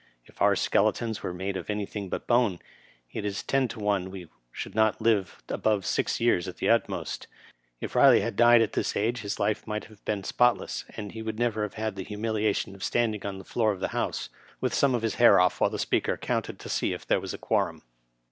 If oar skeletons were made of anything but bone, it is ten to one we should not live above six years at the utmost. If Siley had died at this age, his life might have been spotless, and he would never have had the humiliation of standing on the floor of the House, with some of his hair ofE, while the Speaker counted to see if there was a quorum.